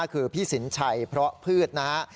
คือพี่สินชัยเพราะพืชนะฮะ